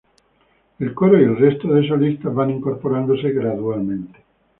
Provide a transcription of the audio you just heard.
El coro y el resto de solistas van incorporándose gradualmente.